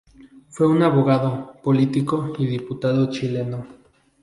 Fue un abogado, político y diputado chileno.